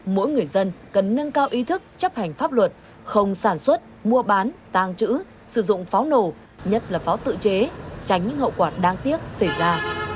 mỗi người dân cần nâng cao ý thức chấp hành pháp luật không sản xuất mua bán tàng trữ sử dụng pháo nổ nhất là pháo tự chế tránh những hậu quả đáng tiếc xảy ra